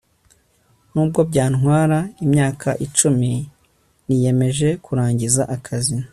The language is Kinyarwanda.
nubwo byantwara imyaka icumi, niyemeje kurangiza akazi